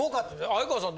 相川さん